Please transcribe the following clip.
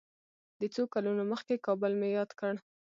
د څو کلونو مخکې کابل مې یاد کړ.